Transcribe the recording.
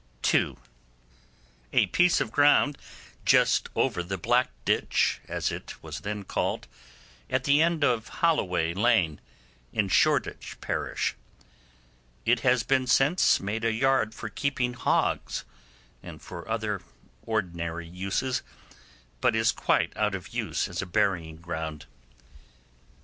(2) A piece of ground just over the Black Ditch, as it was then called, at the end of Holloway Lane, in Shoreditch parish. It has been since made a yard for keeping hogs, and for other ordinary uses, but is quite out of use as a burying ground.